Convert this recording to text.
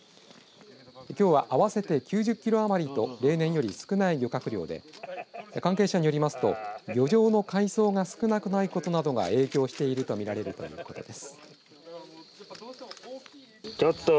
きょうは合わせて９０キロ余りと例年より少ない漁獲量で関係者によりますと漁場の海藻が少なくないことなどが影響しているとみられるということです。